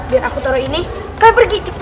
biar adu orang ngeliat